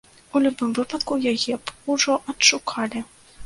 У любым выпадку, яе б ужо адшукалі.